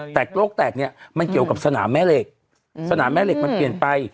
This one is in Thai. แต่โรคแตกเนี่ยมันเกี่ยวกับสนามแม่เหล็กสนามแม่เหล็กมันเปลี่ยนไป